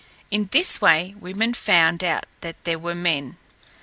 In this way women found out that there were men.